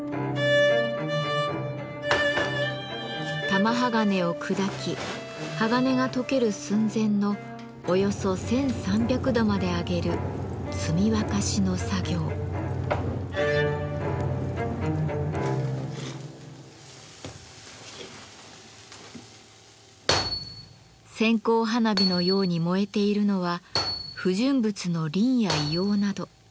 玉鋼を砕き鋼が溶ける寸前のおよそ１，３００度まで上げる線香花火のように燃えているのは不純物のリンや硫黄など。